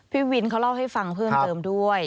พี่วินเขาเล่าให้ฟังเพิ่มเติมด้วย